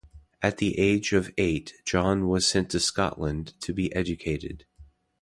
At the age of eight John was sent to Scotland to be educated.